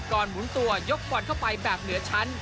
หมุนตัวยกบอลเข้าไปแบบเหนือชั้น